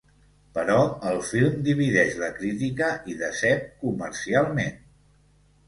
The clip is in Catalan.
Però el film divideix la crítica, i decep comercialment.